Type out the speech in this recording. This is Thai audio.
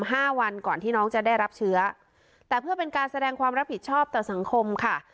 ห้าวันก่อนที่น้องจะได้รับเชื้อแต่เพื่อเป็นการแสดงความรับผิดชอบต่อสังคมค่ะ